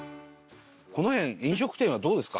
この辺飲食店はどうですか？